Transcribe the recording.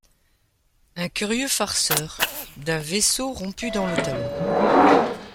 Un curieux farceur : D’un vaisseau rompu dans le talon.